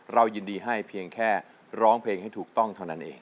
เรายินดีให้เพียงแค่ร้องเพลงให้ถูกต้องเท่านั้นเอง